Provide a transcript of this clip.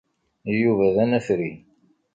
Yuba d anafri.